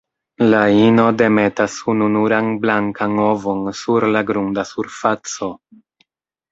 La ino demetas ununuran blankan ovon sur la grunda surfaco.